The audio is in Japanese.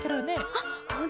あっほんとだ！